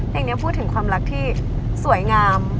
เพลงนี้พูดถึงความรักที่สวยงาม